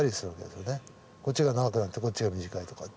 こっちが長くなってこっちが短いとかって。